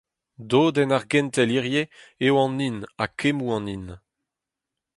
Dodenn ar gentel hiziv eo an hin ha kemmoù an hin.